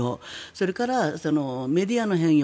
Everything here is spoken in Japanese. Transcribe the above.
それからメディアの変容